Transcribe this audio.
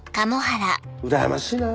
うらやましいな。